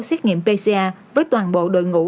xét nghiệm pcr với toàn bộ đội ngũ